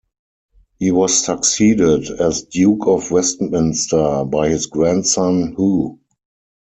He was succeeded as Duke of Westminster by his grandson, Hugh.